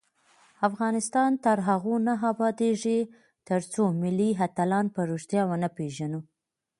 افغانستان تر هغو نه ابادیږي، ترڅو ملي اتلان په ریښتیا ونه پیژنو.